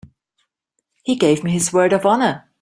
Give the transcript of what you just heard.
He gave me his word of honor.